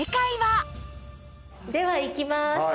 では行きます。